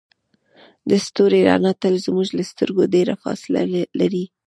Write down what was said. د ستوري رڼا تل زموږ له سترګو ډیره فاصله لري.